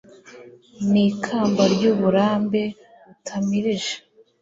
n'ikamba ry'uburambe utamirije